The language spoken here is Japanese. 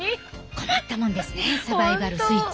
困ったもんですねサバイバル・スイッチ。